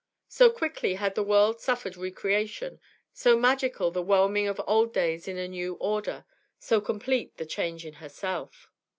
So quickly had the world suffered re creation, so magical the whelming of old days in a new order, so complete the change in herself.